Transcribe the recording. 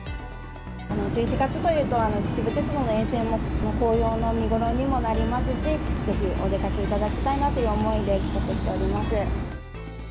１１月というと、秩父鉄道の沿線も紅葉の見頃にもなりますし、ぜひお出かけいただきたいなという思いで企画しております。